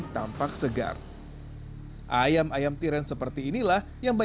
ya nggak dapat kalau bukan landanan